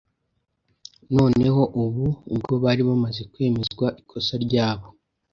Noneho ubu ubwo bari bamaze kwemezwa ikosa ryabo,